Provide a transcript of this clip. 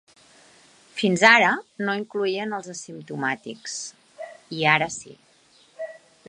Fins ara no hi incloïen els asimptomàtics, i ara sí.